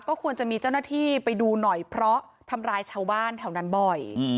ควรจะมีเจ้าหน้าที่ไปดูหน่อยเพราะทำร้ายชาวบ้านแถวนั้นบ่อย